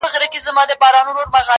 په دې زور سو له لحده پاڅېدلای!!